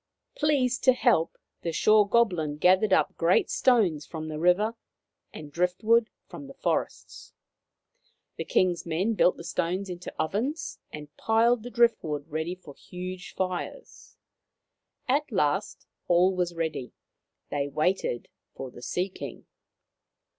Pleased to help, the Shore Goblin gathered up great stones from the river and driftwood from the forests. The King's men built the stones into ovens and piled the driftwood ready for huge fires. At last all was ready. They waited for the Sea King.